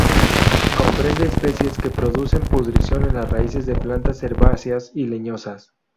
Comprende especies que producen pudrición en las raíces de plantas herbáceas y leñosas.